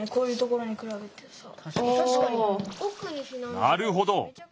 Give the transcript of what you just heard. なるほど！